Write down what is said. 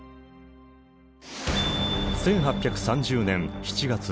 １８３０年７月。